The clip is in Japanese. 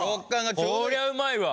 こりゃうまいわ！